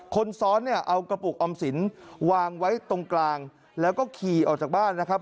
คนซ้อนเนี่ยเอากระปุกออมสินวางไว้ตรงกลางแล้วก็ขี่ออกจากบ้านนะครับ